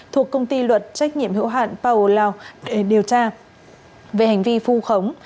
thuộc công ty luật trách nhiệm hiệu hạn paolao để điều tra về hành vi phu khống